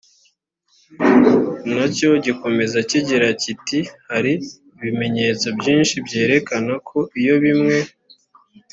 na cyo gikomeza kigira kiti hari ibimenyetso byinshi byerekana ko iyo bimwe